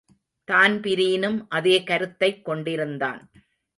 தான்பிரீனும் அதே கருத்தை கொண்டிருந்தான்.